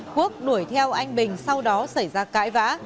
quốc đuổi theo anh bình sau đó xảy ra cãi vã